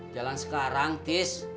jalan sekarang tis